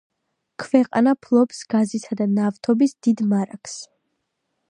ქვეყანა ფლობს გაზისა და ნავთობის დიდ მარაგს.